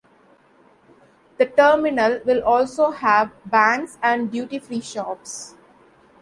The terminal will also have banks and duty-free shops.